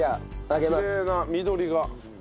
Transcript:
きれいな緑が。